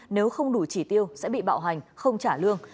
nếu không đủ chỉ tiêu sẽ bị bạo hành không trả lương